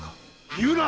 言うな！